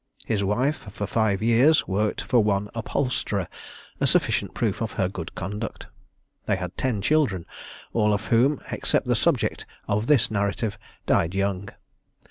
His wife, for five years, worked for one upholsterer a sufficient proof of her good conduct. They had ten children, all of whom, except the subject of this narrative, died young.